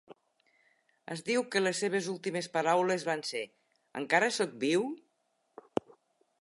Es diu que les seves últimes paraules van ser "Encara sóc viu?".